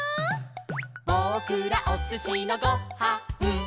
「ぼくらおすしのご・は・ん」